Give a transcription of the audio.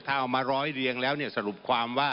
ถ้าเอามาร้อยเรียงแล้วสรุปความว่า